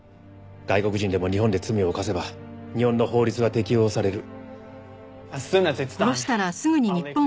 外国人でも日本で罪を犯せば日本の法律が適用される。